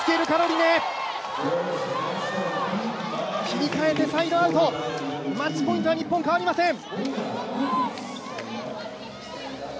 切り替えてサイドアウト、マッチポイントは日本、変わりません。